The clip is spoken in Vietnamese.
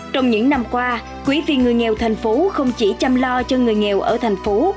trong những năm qua quý viên người nghèo thành phố không chỉ chăm lo cho người nghèo ở thành phố